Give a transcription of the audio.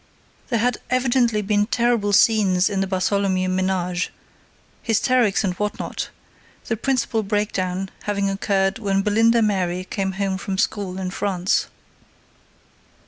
There had evidently been terrible scenes in the Bartholomew menage, hysterics and what not, the principal breakdown having occurred when Belinda Mary came home from school in France.